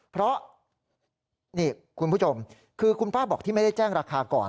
เพราะนี่คุณผู้ชมคือคุณป้าบอกที่ไม่ได้แจ้งราคาก่อน